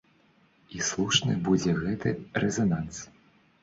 І слушны будзе гэты рэзананс.